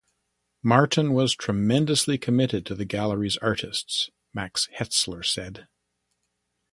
"Martin was tremendously committed to the gallery's artists," Max Hetzler said.